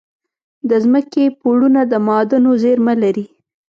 د ځمکې پوړونه د معادنو زیرمه لري.